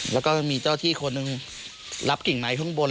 แล้วก็มีเจ้าที่คนหนึ่งรับกิ่งไม้ข้างบน